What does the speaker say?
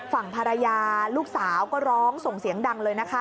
ฝั่งภรรยาลูกสาวก็ร้องส่งเสียงดังเลยนะคะ